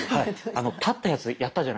立ったやつやったじゃないですか？